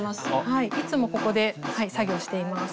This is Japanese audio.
いつもここで作業しています。